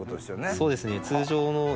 そうですね。